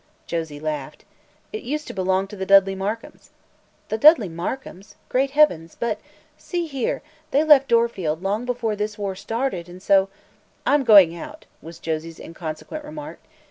Josie laughed. "It used to belong to the Dudley Markhams." "The Dudley Markhams! Great heavens, But see here they left Dorfield long before this war started, and so " "I'm going out," was Josie's inconsequent remark.